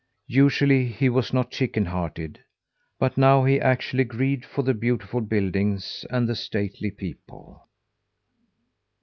Usually he was not chicken hearted, but now he actually grieved for the beautiful buildings and the stately people.